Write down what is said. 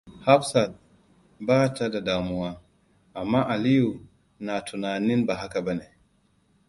Hafsat bata da damuwa, amma Aliyu na tunanin ba haka bane.